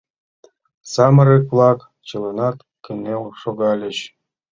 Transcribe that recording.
Самырык-влак чыланат кынел шогальыч.